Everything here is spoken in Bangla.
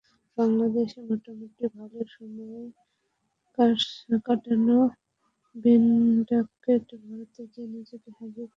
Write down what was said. বাংলাদেশে মোটামুটি ভালো সময় কাটানো বেন ডাকেট ভারতে গিয়ে নিজেকে হারিয়ে খুঁজছেন।